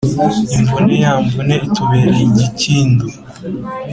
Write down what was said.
imvune ya mvune itubereye igikindu.